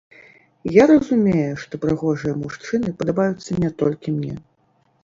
Я разумею, што прыгожыя мужчыны падабаюцца не толькі мне.